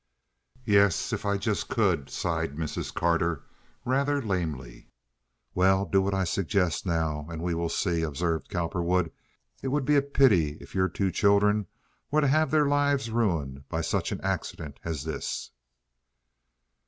"Yes, if I just could," sighed Mrs. Carter, rather lamely. "Well, do what I suggest now, and we will see," observed Cowperwood. "It would be a pity if your two children were to have their lives ruined by such an accident as this."